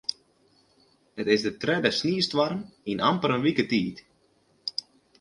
It is de tredde sniestoarm yn amper in wike tiid.